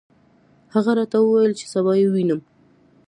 هغه راته وویل چې سبا یې ووینم.